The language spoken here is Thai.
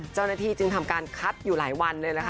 เจ้าหน้าที่จึงทำการคัดอยู่หลายวันเลยนะคะ